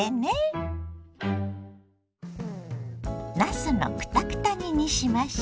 なすのクタクタ煮にしましょ。